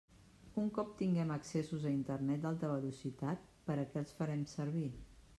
I un cop tinguem accessos a Internet d'alta velocitat, per a què els farem servir?